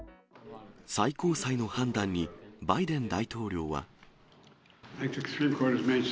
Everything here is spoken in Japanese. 最高裁の判断にバイデン大統領は。